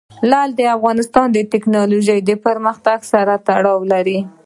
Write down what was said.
لعل د افغانستان د تکنالوژۍ پرمختګ سره تړاو لري.